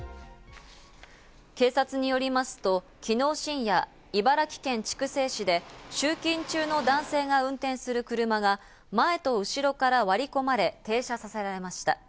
警察によりますと昨日深夜、茨城県筑西市で集金中の男性が運転する車が前と後ろから割り込まれ停車させられました。